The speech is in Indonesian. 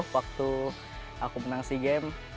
waktu aku menang sea games